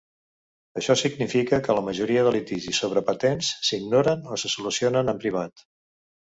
Això significa que la majoria de litigis sobre patents s'ignoren o se solucionen en privat.